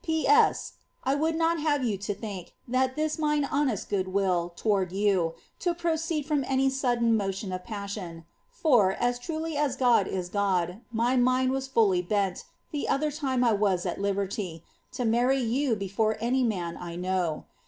P. b. — I would not have you to think that this mine honest goo<l will toward ID proceed of any sudden motion of passion ; for, as truly as God is God, my L was fully bent, the other tiine I was at liberty, to marry you before any I know.